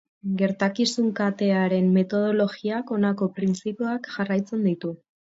Gertakizun katearen metodologiak honako printzipioak jarraitzen ditu.